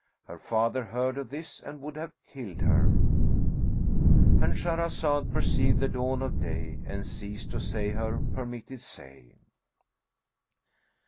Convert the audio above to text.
Her father heard of this and would have killed her;—And Shahrazad perceived the dawn of day and ceased to say her permitted say.